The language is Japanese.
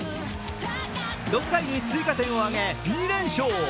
６回に追加点を挙げ、２連勝。